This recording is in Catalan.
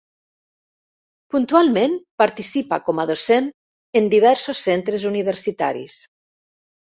Puntualment participa com a docent en diversos centres universitaris.